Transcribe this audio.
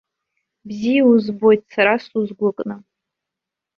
Бзиа узбоит сара сузгәыкны.